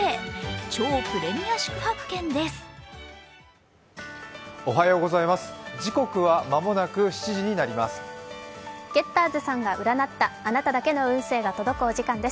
超プレミア宿泊券です。